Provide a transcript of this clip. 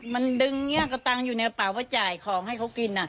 แม่จะให้ผมช่วยอย่างไรตอนนี้